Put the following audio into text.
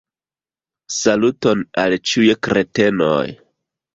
Saluton al ĉiuj kretenoj